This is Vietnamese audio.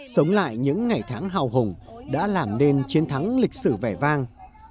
sống lại những ngày tháng hào hùng đã làm nên chiến thắng lịch sử vẻ vang